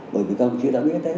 bởi vì các bộ chính sĩ đã biết